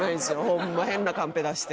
ホンマ変なカンペ出して。